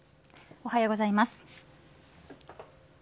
おはようございます。